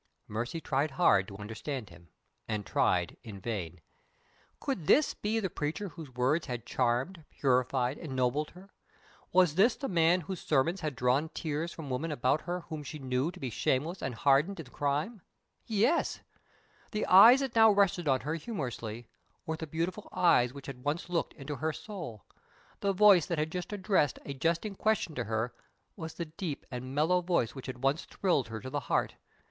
Mercy tried hard to understand him, and tried in vain. Could this be the preacher whose words had charmed, purified, ennobled her? Was this the man whose sermon had drawn tears from women about her whom she knew to be shameless and hardened in crime? Yes! The eyes that now rested on her humorously were the beautiful eyes which had once looked into her soul. The voice that had just addressed a jesting question to her was the deep and mellow voice which had once thrilled her to the heart.